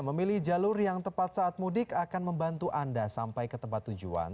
memilih jalur yang tepat saat mudik akan membantu anda sampai ke tempat tujuan